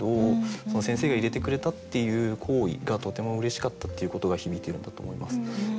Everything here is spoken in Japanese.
その「先生が入れてくれた」っていう行為がとてもうれしかったっていうことが響いているんだと思います。